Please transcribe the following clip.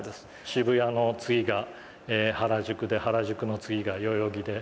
渋谷の次が原宿で原宿の次が代々木で。